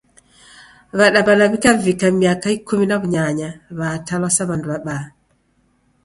W'adaw'ana w'ikavika miaka Ikumi na w'unyanya w'atalwa sa w'andu w'abaa.